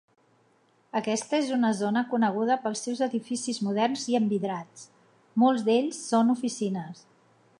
Aquesta és una zona coneguda pels seus edificis moderns i envidrats; molts d'ells són oficines.